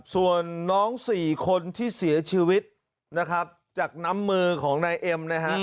ส่วนน้องสี่คนที่เสียชีวิตนะครับจากน้ำมือของนายเอ็มนะฮะ